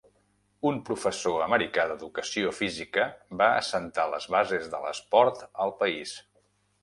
Un professor americà d'educació física va assentar les bases de l'esport al país.